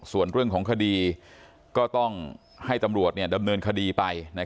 ส่วนเรื่องของคดีก็ต้องให้ตำรวจดำเนินคดีไป